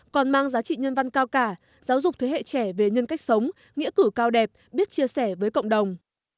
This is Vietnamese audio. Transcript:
còn mang giá trị nhân văn cao cả giáo dục thế hệ trẻ về nhân cách sống nghĩa cử cao đẹp biết chia sẻ với cộng đồng